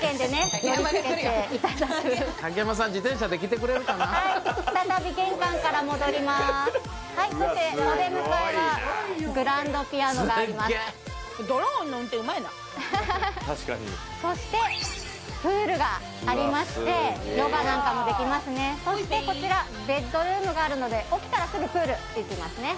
確かにそしてプールがありましてヨガなんかもできますねそしてこちらベッドルームがあるので起きたらすぐプール行けますね・